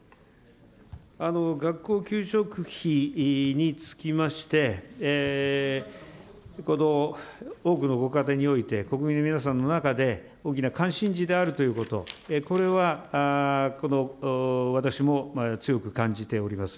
学校給食費につきまして、この多くのご家庭において、国民の皆さんの中で、大きな関心事であるということ、これは私も強く感じております。